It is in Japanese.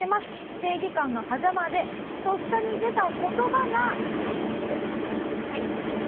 正義感のはざまでとっさに出た言葉が。